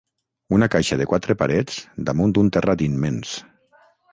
Una caixa de quatre parets damunt d’un terrat immens.